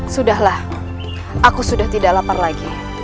sudahlah aku sudah tidak lapar lagi